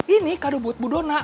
ini kado buat bu dona